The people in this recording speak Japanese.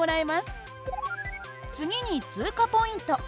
次に通過ポイント。